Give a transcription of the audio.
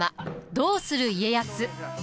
「どうする家康」。